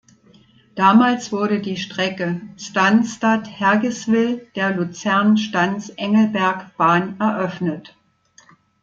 Damals wurde die Strecke Stanstad-Hergiswil der Luzern-Stans-Engelberg-Bahn eröffnet.